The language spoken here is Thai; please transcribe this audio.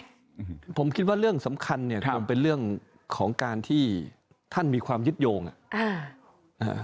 อืมผมคิดว่าเรื่องสำคัญเนี้ยคงเป็นเรื่องของการที่ท่านมีความยึดโยงอ่ะอ่าอ่า